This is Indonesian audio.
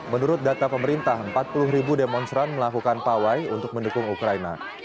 menurut data pemerintah empat puluh ribu demonstran melakukan pawai untuk mendukung ukraina